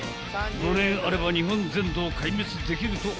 ［５年あれば日本全土を壊滅できると恐れられた］